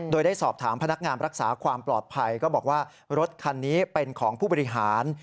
โดยได้สอบถามพนักงานรักษาความปลอดภัยก็บอกว่ารถคันนี้เป็นของผู้บริหาร